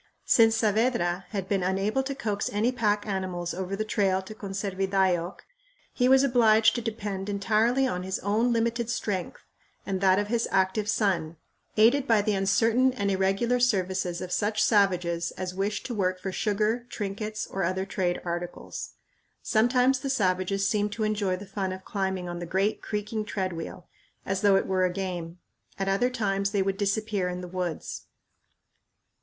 Since Saavedra had been unable to coax any pack animals over the trail to Conservidayoc he was obliged to depend entirely on his own limited strength and that of his active son, aided by the uncertain and irregular services of such savages as wished to work for sugar, trinkets, or other trade articles. Sometimes the savages seemed to enjoy the fun of climbing on the great creaking treadwheel, as though it were a game. At other times they would disappear in the woods.